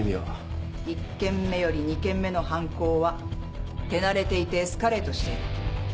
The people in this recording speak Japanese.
１件目より２件目の犯行は手慣れていてエスカレートしている。